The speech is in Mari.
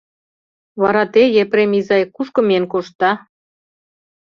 Вара те, Епрем изай, кушко миен коштда?